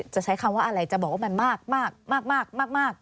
จะใช้คำว่าอะไรจะบอกว่ามันมาก